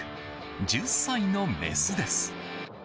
１０歳のメスです。